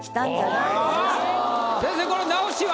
先生これ直しは？